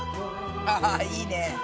あいいね。